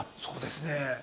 そうですね。